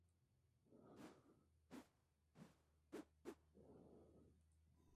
Terrenos silíceos, bosques y praderas de toda Europa, excepto en la región mediterránea.